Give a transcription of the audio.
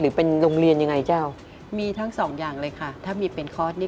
กรูผู้สืบสารล้านนารุ่นแรกแรกรุ่นเลยนะครับผม